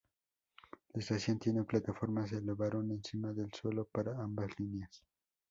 La estación tiene plataformas elevaron encima del suelo para ambas líneas.